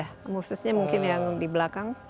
khususnya mungkin yang di belakang